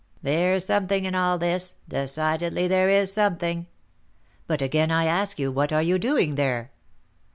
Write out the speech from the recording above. There's something in all this, decidedly there is something." "But again I ask you, what are you doing there?"